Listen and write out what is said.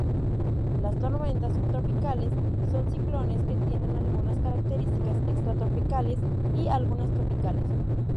Las tormentas subtropicales son ciclones que tienen algunas características extratropicales y algunas tropicales.